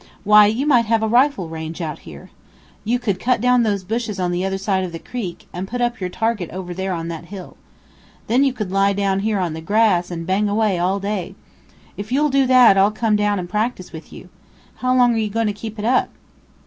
Why, you might have a rifle range out here. You could cut down those bushes on the other side of the creek, and put up your target over there on that hill. Then you could lie down here on the grass and bang away all day. If you'll do that, I'll come down and practice with you. How long are you going to keep it up?"